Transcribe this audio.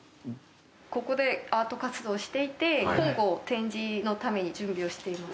ここでアート活動をしていて公募展示のために準備をしています。